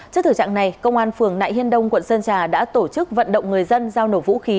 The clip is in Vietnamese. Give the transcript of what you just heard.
trước thử trạng này công an phường nại hiên đông quận sơn trà đã tổ chức vận động người dân giao nổ vũ khí